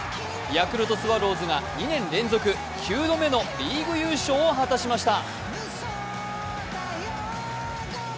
ヤクルトスワローズが２年連続９度目のリーグ優勝を果たしました